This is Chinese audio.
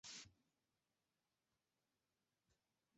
中国平形吸虫为双腔科平形属的动物。